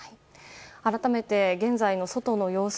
改めて現在の外の様子